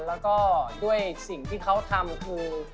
แล้วก็ด้วยสิ่งที่เขาทำคือ